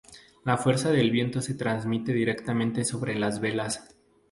La fuerza del viento se transmite directamente sobre las velas.